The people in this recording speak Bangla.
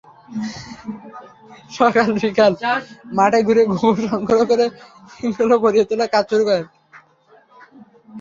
সকাল-বিকেল মাঠে ঘুরে গোবর সংগ্রহ করে রিংগুলো ভরিয়ে তোলার কাজ শুরু করেন।